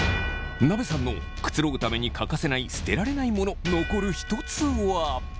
なべさんのくつろぐために欠かせない捨てられないモノ残る１つは。